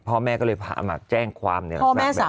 พ่อแม่ก็เลยมาแจ้งความเนี่ย